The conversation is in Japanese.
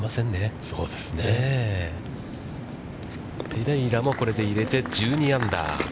ペレイラもこれで入れて１２アンダー。